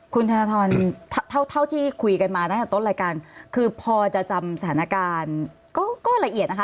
คุณธนทรเท่าเท่าที่คุยกันมาตั้งแต่ต้นรายการคือพอจะจำสถานการณ์ก็ละเอียดนะคะ